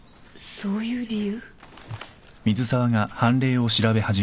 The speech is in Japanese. そういう理由。